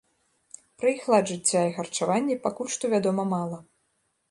Пра іх лад жыцця і харчаванне пакуль што вядома мала.